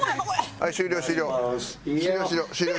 はい終了終了。